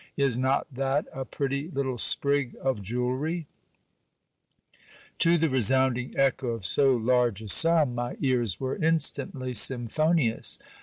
Is not that a pretty little sprig of jewellery ? To the r<?sounding echo of so large a sum, my ears were instantly symphonious.